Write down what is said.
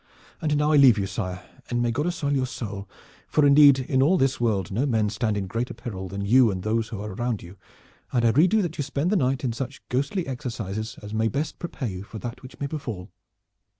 And now I leave you, sire, and may God assoil your soul, for indeed in all this world no men stand in greater peril than you and those who are around you, and I rede you that you spend the night in such ghostly exercises as may best prepare you for that which may befall."